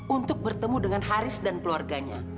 untuk bertemu dengan haris dan keluarganya